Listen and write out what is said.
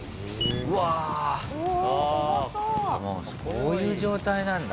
こういう状態なんだ。